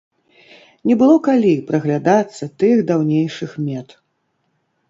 Не было калі прыглядацца тых даўнейшых мет.